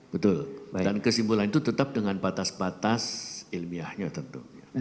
betul dan kesimpulan itu tetap dengan batas batas ilmiahnya tentu